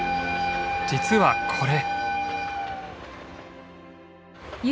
実はこれ。